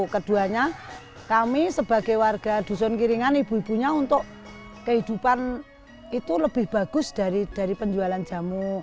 keduanya kami sebagai warga dusun kiringan ibu ibunya untuk kehidupan itu lebih bagus dari penjualan jamu